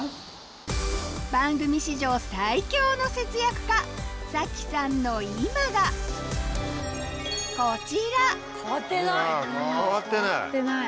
番組史上最強の節約家咲さんの今がこちら変わってない。